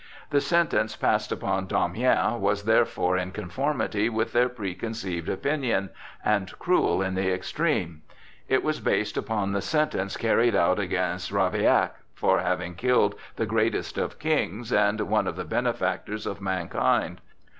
The sentence passed upon Damiens was therefore in conformity with their preconceived opinion, and cruel in the extreme. It was based upon the sentence carried out against Ravaillac for having killed the greatest of kings and one of the benefactors of mankind.